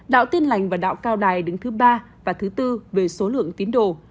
đạo tin lành và đạo cao đài đứng thứ ba và thứ tư về số lượng tín đồ